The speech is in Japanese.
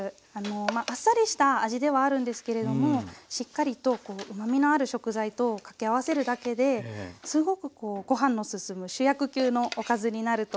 あっさりした味ではあるんですけれどもしっかりとうまみのある食材とを掛け合わせるだけですごくこうご飯の進む主役級のおかずになると思います。